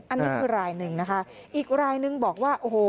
อันนี้คือรายหนึ่งนะคะอีกรายนึงบอกว่าโอ้โห